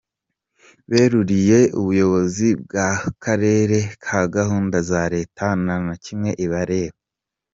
Beruriye ubuyobozi bw’Akarere ko gahunda za Leta nta n’imwe ibareba